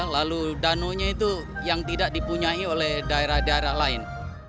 lalu danaunya itu yang tidak dipunyai oleh daerah daerah lain